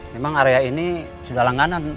memang area ini sudah langganan